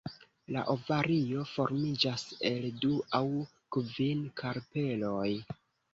La ovario formiĝas el du aŭ kvin karpeloj.